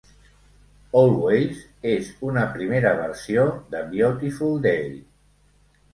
"Always" és una primera versió de "Beautiful Day".